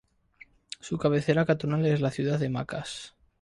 Su cabecera cantonal es la ciudad de Macas.